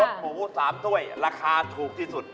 หมู๓ถ้วยราคาถูกที่สุด